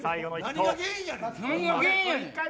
何が原因やねん。